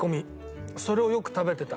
それをよく食べてた。